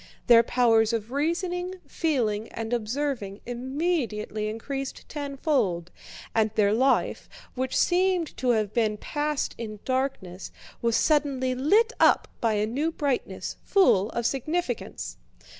Their powers of reasoning, feeling, and observing immediately increased tenfold, and their life, which seemed to have been passed in darkness, was suddenly lit up by a new brightness, full of significance.